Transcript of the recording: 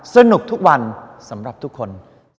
สนุกทุกวันสำหรับทุกคน